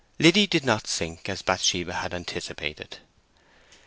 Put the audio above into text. Liddy did not sink, as Bathsheba had anticipated.